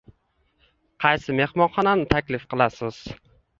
Qaysi mehmonxonani taklif qilasiz?